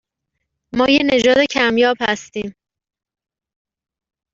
ما یه نژاد کمیاب هستیم